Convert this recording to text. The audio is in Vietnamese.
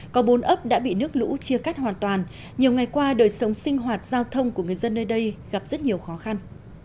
có bốn ấp đã bị nước lũ chia cắt hoàn toàn nhiều ngày qua đời sống sinh hoạt giao thông của người dân nơi đây gặp rất nhiều khó khăn